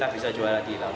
bisa juara di ilang